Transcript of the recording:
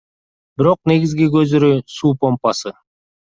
Бирок негизги көзүрү – суу помпасы.